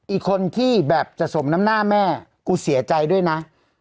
อีกคนที่แบบจะสมน้ำหน้าแม่กูเสียใจด้วยนะ